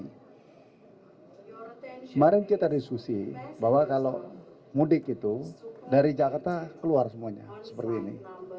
kemarin kita diskusi bahwa kalau mudik itu dari jakarta keluar semuanya seperti ini